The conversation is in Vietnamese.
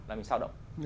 là mình sao động